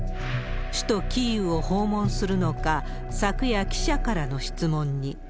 首都キーウを訪問するのか、昨夜、記者からの質問に。